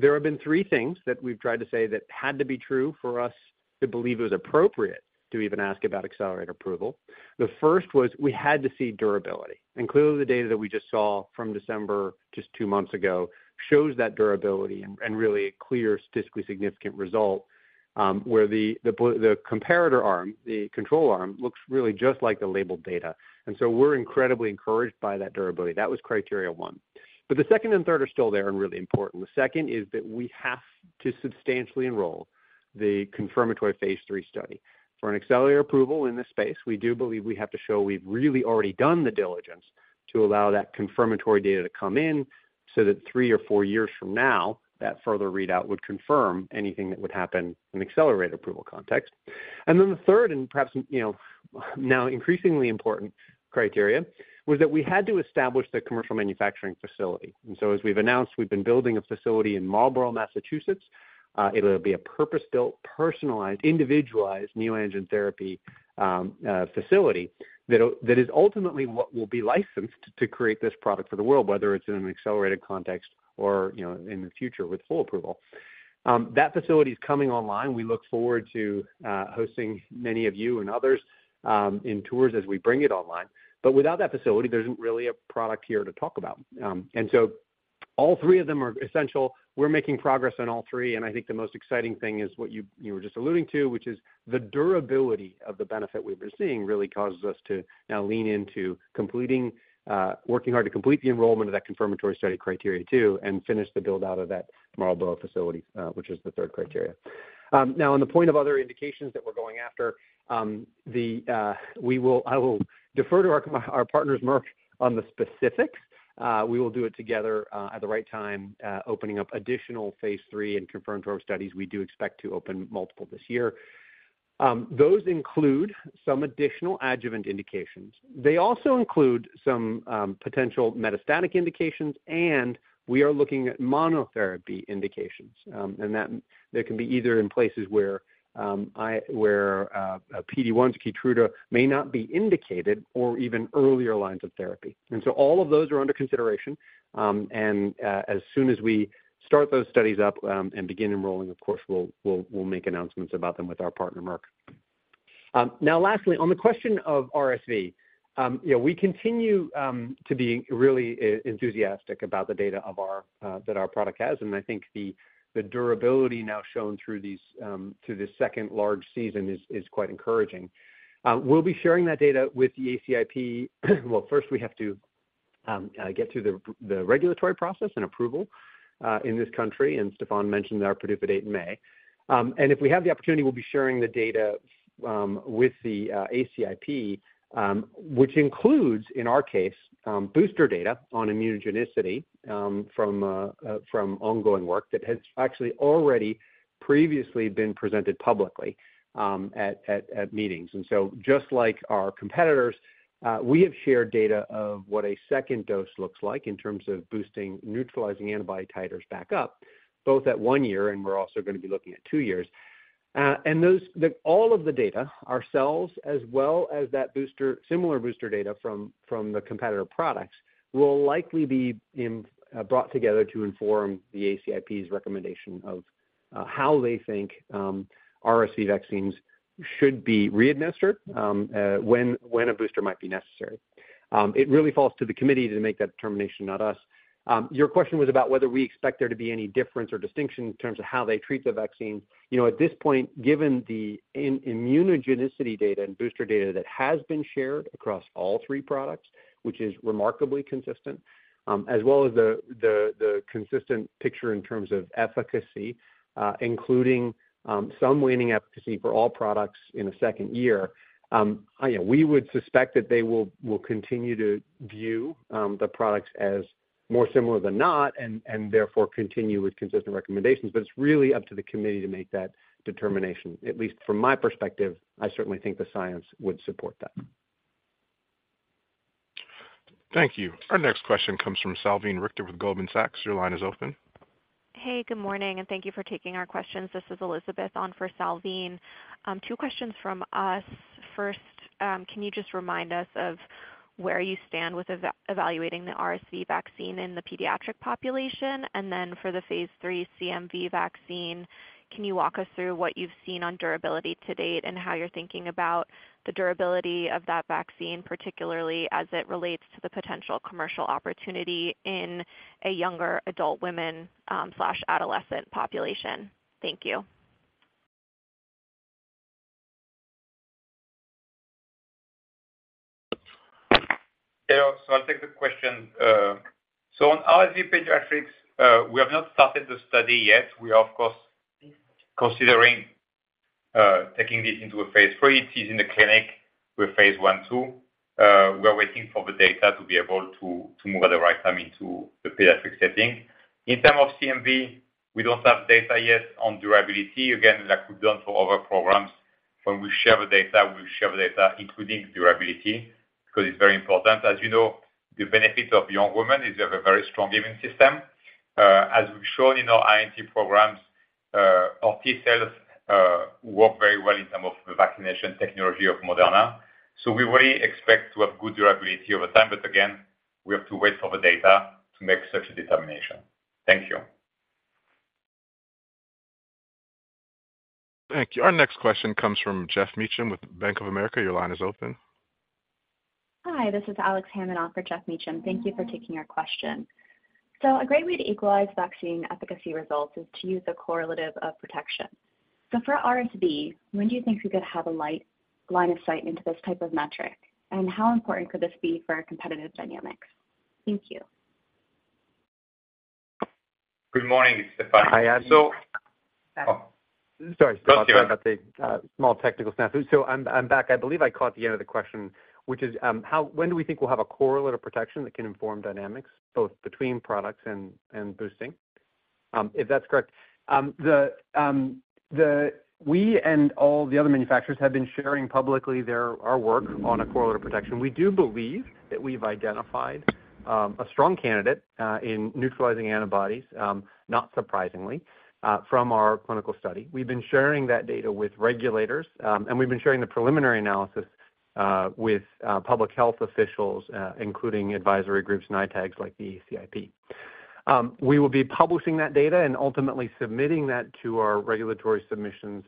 There have been three things that we've tried to say that had to be true for us to believe it was appropriate to even ask about accelerated approval. The first was we had to see durability. And clearly, the data that we just saw from December just two months ago shows that durability and really a clear, statistically significant result where the comparator arm, the control arm, looks really just like the labeled data. And so we're incredibly encouraged by that durability. That was criteria one. But the second and third are still there and really important. The second is that we have to substantially enroll the confirmatory phase 3 study. For an accelerated approval in this space, we do believe we have to show we've really already done the diligence to allow that confirmatory data to come in so that 3 or 4 years from now, that further readout would confirm anything that would happen in accelerated approval context. And then the third and perhaps now increasingly important criteria was that we had to establish the commercial manufacturing facility. And so as we've announced, we've been building a facility in Marlborough, Massachusetts. It'll be a purpose-built, personalized, individualized neoantigen therapy facility that is ultimately what will be licensed to create this product for the world, whether it's in an accelerated context or in the future with full approval. That facility is coming online. We look forward to hosting many of you and others in tours as we bring it online. But without that facility, there isn't really a product here to talk about. And so all three of them are essential. We're making progress on all three. And I think the most exciting thing is what you were just alluding to, which is the durability of the benefit we've been seeing really causes us to now lean into working hard to complete the enrollment of that confirmatory study criteria too and finish the build-out of that Marlborough facility, which is the third criteria. Now, on the point of other indications that we're going after, I will defer to our partners, Merck, on the specifics. We will do it together at the right time, opening up additional phase 3 and confirmatory studies. We do expect to open multiple this year. Those include some additional adjuvant indications. They also include some potential metastatic indications. We are looking at monotherapy indications. There can be either in places where PD-1 to Keytruda may not be indicated or even earlier lines of therapy. So all of those are under consideration. As soon as we start those studies up and begin enrolling, of course, we'll make announcements about them with our partner, Merck. Now, lastly, on the question of RSV, we continue to be really enthusiastic about the data that our product has. I think the durability now shown through this second large season is quite encouraging. We'll be sharing that data with the ACIP. Well, first, we have to get through the regulatory process and approval in this country. Stéphane mentioned that our PDUFA date in May. If we have the opportunity, we'll be sharing the data with the ACIP, which includes, in our case, booster data on immunogenicity from ongoing work that has actually already previously been presented publicly at meetings. So just like our competitors, we have shared data of what a second dose looks like in terms of boosting, neutralizing antibody titers back up, both at one year. We're also going to be looking at two years. All of the data, ourselves as well as that similar booster data from the competitor products, will likely be brought together to inform the ACIP's recommendation of how they think RSV vaccines should be readministered when a booster might be necessary. It really falls to the committee to make that determination, not us. Your question was about whether we expect there to be any difference or distinction in terms of how they treat the vaccines. At this point, given the immunogenicity data and booster data that has been shared across all three products, which is remarkably consistent, as well as the consistent picture in terms of efficacy, including some waning efficacy for all products in a second year, we would suspect that they will continue to view the products as more similar than not and therefore continue with consistent recommendations. But it's really up to the committee to make that determination. At least from my perspective, I certainly think the science would support that. Thank you. Our next question comes from Salveen Richter with Goldman Sachs. Your line is open. Hey, good morning. Thank you for taking our questions. This is Elizabeth on for Salveen. Two questions from us. First, can you just remind us of where you stand with evaluating the RSV vaccine in the pediatric population? And then for the phase three CMV vaccine, can you walk us through what you've seen on durability to date and how you're thinking about the durability of that vaccine, particularly as it relates to the potential commercial opportunity in a younger adult women/adolescent population? Thank you. So I'll take the question. So on RSV pediatrics, we have not started the study yet. We are, of course, considering taking this into a phase 3. It is in the clinic with Phase 1/2. We are waiting for the data to be able to move at the right time into the pediatric setting. In terms of CMV, we don't have data yet on durability. Again, like we've done for other programs, when we share the data, we share the data, including durability because it's very important. As you know, the benefit of young women is we have a very strong immune system. As we've shown in our INT programs, our T cells work very well in terms of the vaccination technology of Moderna. So we really expect to have good durability over time. But again, we have to wait for the data to make such a determination. Thank you. Thank you. Our next question comes from Jeff Meacham with Bank of America. Your line is open. Hi. This is Alex Hammond for Jeff Meacham. Thank you for taking our question. A great way to equalize vaccine efficacy results is to use a correlate of protection. For RSV, when do you think we could have a line of sight into this type of metric? And how important could this be for our competitive dynamics? Thank you. Good morning, Stephen. Hi, Adam. Sorry, Stephen. Go ahead. A small technical stance. So I'm back. I believe I caught the end of the question, which is when do we think we'll have a correlate of protection that can inform dynamics, both between products and boosting, if that's correct? We and all the other manufacturers have been sharing publicly our work on a correlate of protection. We do believe that we've identified a strong candidate in neutralizing antibodies, not surprisingly, from our clinical study. We've been sharing that data with regulators. We've been sharing the preliminary analysis with public health officials, including advisory groups and NITAGs like the ACIP. We will be publishing that data and ultimately submitting that to our regulatory submissions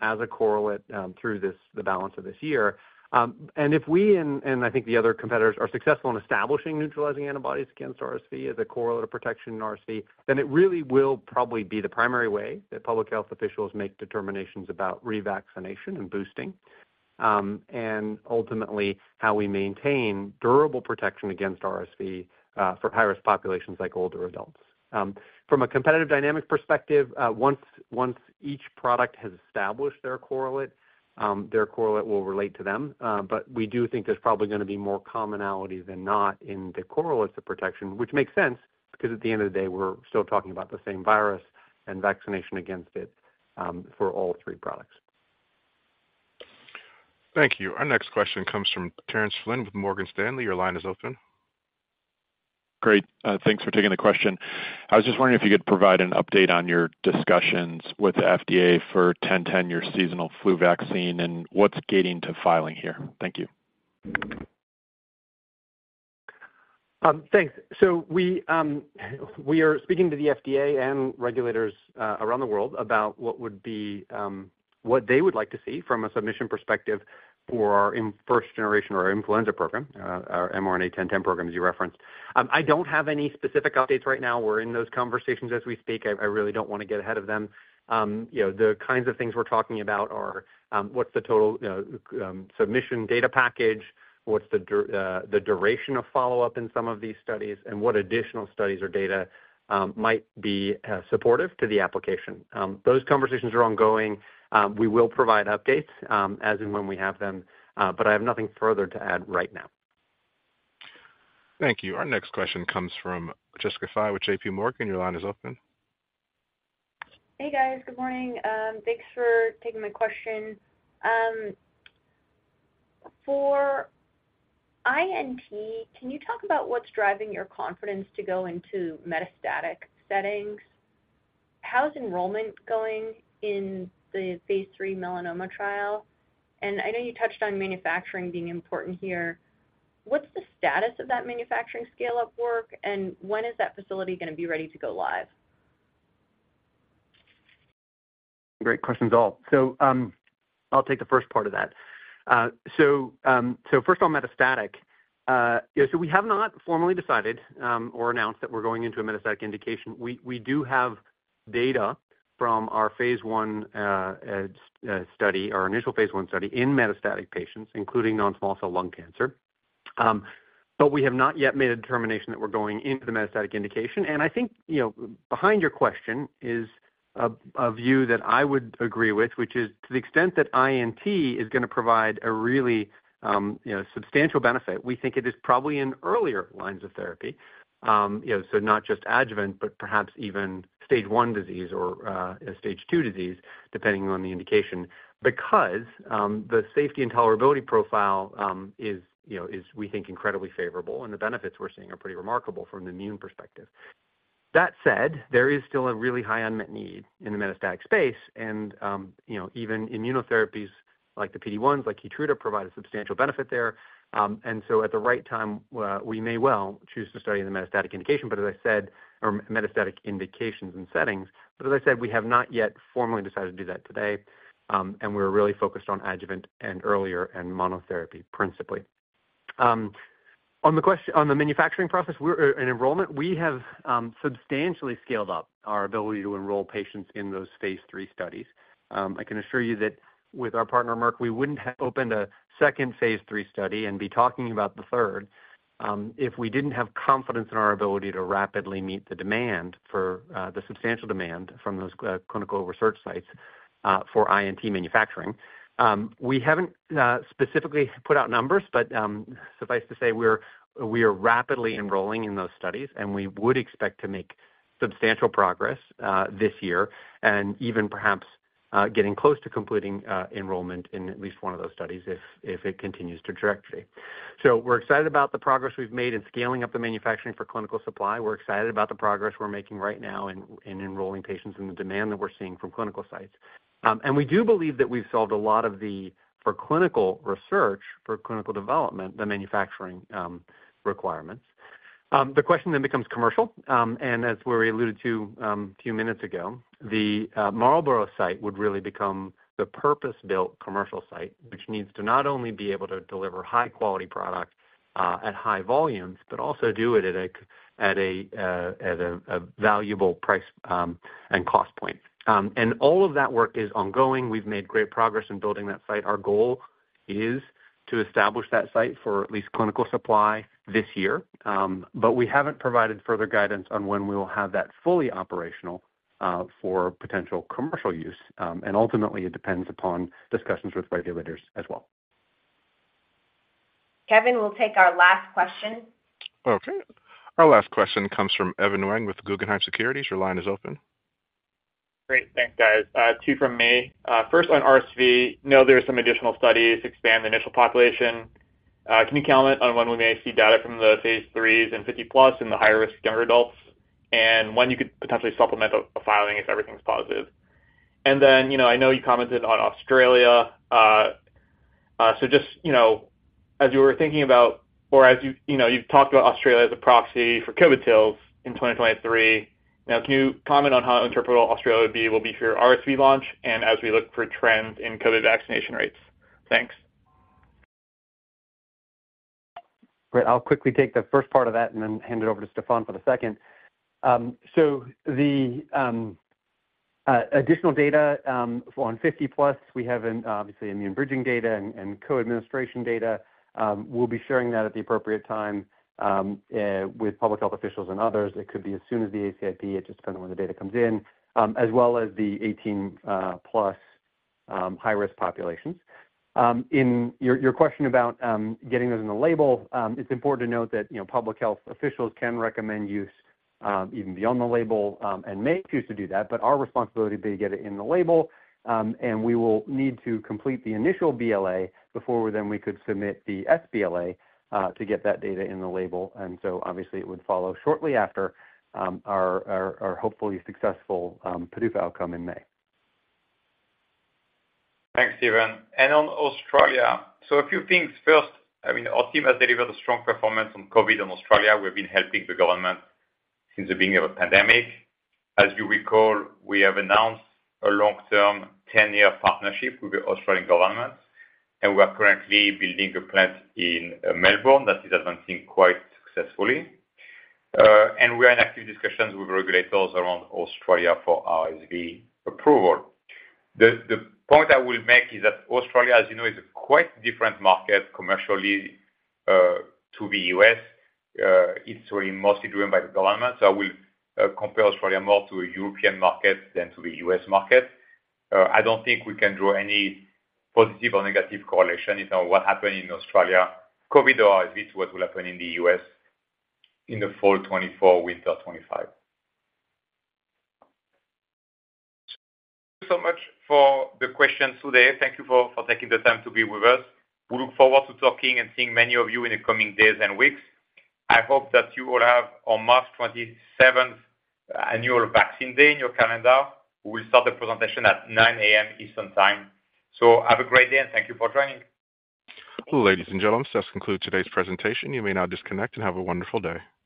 as a correlate through the balance of this year. If we and I think the other competitors are successful in establishing neutralizing antibodies against RSV as a correlative protection in RSV, then it really will probably be the primary way that public health officials make determinations about revaccination and boosting, and ultimately, how we maintain durable protection against RSV for high-risk populations like older adults. From a competitive dynamic perspective, once each product has established their correlate, their correlate will relate to them. But we do think there's probably going to be more commonality than not in the correlates of protection, which makes sense because at the end of the day, we're still talking about the same virus and vaccination against it for all three products. Thank you. Our next question comes from Terence Flynn with Morgan Stanley. Your line is open. Great. Thanks for taking the question. I was just wondering if you could provide an update on your discussions with the FDA for 1010, your seasonal flu vaccine, and what's gating to filing here. Thank you. Thanks. So we are speaking to the FDA and regulators around the world about what they would like to see from a submission perspective for our first-generation or our influenza program, our mRNA-1010 program as you referenced. I don't have any specific updates right now. We're in those conversations as we speak. I really don't want to get ahead of them. The kinds of things we're talking about are what's the total submission data package, what's the duration of follow-up in some of these studies, and what additional studies or data might be supportive to the application. Those conversations are ongoing. We will provide updates as and when we have them. But I have nothing further to add right now. Thank you. Our next question comes from Jessica Fye with J.P. Morgan. Your line is open. Hey, guys. Good morning. Thanks for taking my question. For INT, can you talk about what's driving your confidence to go into metastatic settings? How's enrollment going in the phase 3 melanoma trial? And I know you touched on manufacturing being important here. What's the status of that manufacturing scale-up work? And when is that facility going to be ready to go live? Great questions all. So I'll take the first part of that. So first on metastatic. So we have not formally decided or announced that we're going into a metastatic indication. We do have data from our phase 1 study, our initial phase 1 study in metastatic patients, including non-small cell lung cancer. But we have not yet made a determination that we're going into the metastatic indication. And I think behind your question is a view that I would agree with, which is to the extent that INT is going to provide a really substantial benefit, we think it is probably in earlier lines of therapy, so not just adjuvant, but perhaps even stage 1 disease or stage 2 disease, depending on the indication, because the safety and tolerability profile is, we think, incredibly favorable. And the benefits we're seeing are pretty remarkable from the immune perspective. That said, there is still a really high unmet need in the metastatic space. Even immunotherapies like the PD-1s, like Keytruda, provide a substantial benefit there. So at the right time, we may well choose to study in the metastatic indication, but as I said, or metastatic indications and settings. But as I said, we have not yet formally decided to do that today. We're really focused on adjuvant and earlier and monotherapy principally. On the manufacturing process and enrollment, we have substantially scaled up our ability to enroll patients in those phase 3 studies. I can assure you that with our partner, Merck, we wouldn't have opened a second phase 3 study and be talking about the third if we didn't have confidence in our ability to rapidly meet the substantial demand from those clinical research sites for INT manufacturing. We haven't specifically put out numbers. But suffice to say, we are rapidly enrolling in those studies. We would expect to make substantial progress this year and even perhaps getting close to completing enrollment in at least one of those studies if it continues to track free. So we're excited about the progress we've made in scaling up the manufacturing for clinical supply. We're excited about the progress we're making right now in enrolling patients and the demand that we're seeing from clinical sites. And we do believe that we've solved a lot of the for clinical research, for clinical development, the manufacturing requirements. The question then becomes commercial. And as we alluded to a few minutes ago, the Marlborough site would really become the purpose-built commercial site, which needs to not only be able to deliver high-quality product at high volumes, but also do it at a valuable price and cost point. All of that work is ongoing. We've made great progress in building that site. Our goal is to establish that site for at least clinical supply this year. But we haven't provided further guidance on when we will have that fully operational for potential commercial use. Ultimately, it depends upon discussions with regulators as well. Kevin will take our last question. Okay. Our last question comes from Evan Wang with Guggenheim Securities. Your line is open. Great. Thanks, guys. 2 from me. First, on RSV, I know there are some additional studies to expand the initial population. Can you comment on when we may see data from the phase 3s and 50+ in the higher-risk younger adults and when you could potentially supplement a filing if everything's positive? And then I know you commented on Australia. So just as you were thinking about or as you've talked about Australia as a proxy for COVID tails in 2023, can you comment on how interpretable Australia will be for your RSV launch and as we look for trends in COVID vaccination rates? Thanks. Great. I'll quickly take the first part of that and then hand it over to Stéphane for the second. So the additional data on 50-plus, we have obviously immune bridging data and co-administration data. We'll be sharing that at the appropriate time with public health officials and others. It could be as soon as the ACIP. It just depends on when the data comes in, as well as the 18-plus high-risk populations. In your question about getting those in the label, it's important to note that public health officials can recommend use even beyond the label and may choose to do that. But our responsibility would be to get it in the label. And we will need to complete the initial BLA before then we could submit the sBLA to get that data in the label. Obviously, it would follow shortly after our hopefully successful PDUFA outcome in May. Thanks, Stephen. On Australia, so a few things. First, I mean, our team has delivered a strong performance on COVID in Australia. We have been helping the government since the beginning of the pandemic. As you recall, we have announced a long-term 10-year partnership with the Australian government. We are currently building a plant in Melbourne that is advancing quite successfully. We are in active discussions with regulators around Australia for RSV approval. The point I will make is that Australia, as you know, is a quite different market commercially to the U.S. It's really mostly driven by the government. I will compare Australia more to a European market than to the U.S. market. I don't think we can draw any positive or negative correlation in terms of what happened in Australia, COVID or RSV to what will happen in the U.S. in the fall 2024, winter 2025. So thank you so much for the questions today. Thank you for taking the time to be with us. We look forward to talking and seeing many of you in the coming days and weeks. I hope that you all have March 27th, Annual Vaccine Day in your calendar. We will start the presentation at 9:00 A.M. Eastern Time. So have a great day. And thank you for joining. Ladies and gentlemen, this concludes today's presentation. You may now disconnect and have a wonderful day.